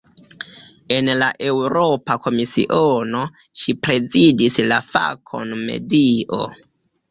En la Eŭropa Komisiono, ŝi prezidis la fakon "medio".